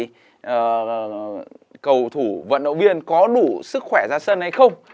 thì cầu thủ vận động viên có đủ sức khỏe ra sân hay không